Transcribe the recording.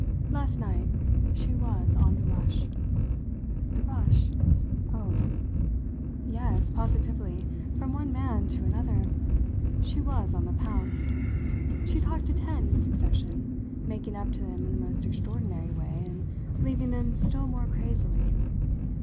Last night she was on the rush." "The rush? Oh!" "Yes, positively from one man to another. She was on the pounce. She talked to ten in succession, making up to them in the most extraordinary way and leaving them still more crazily.